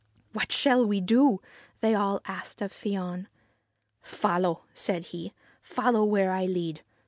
What shall we do ?' they all asked of Fion. ' Follow !' said he ;' follow where I lead.